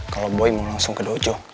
kalau boy mau langsung ke dojo